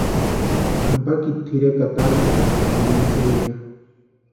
Ampakiti tʼirekwa atarantʼasïnti nana Celia.